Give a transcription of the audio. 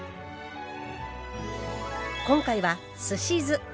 今回はすし酢。